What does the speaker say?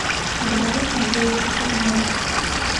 Але бярвенне ўжо яе пачарнела.